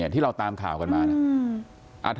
ที่เราตามข่าวกันมานะ